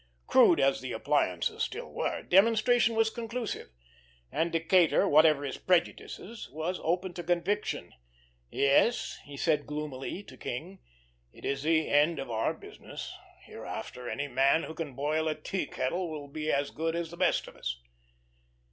Crude as the appliances still were, demonstration was conclusive; and Decatur, whatever his prejudices, was open to conviction. "Yes," he said, gloomily, to King, "it is the end of our business; hereafter any man who can boil a tea kettle will be as good as the best of us."